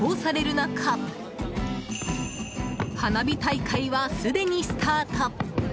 中花火大会は、すでにスタート。